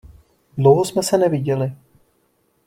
Dlouho jsme se neviděli.